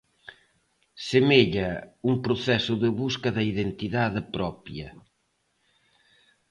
Semella un proceso de busca da identidade propia.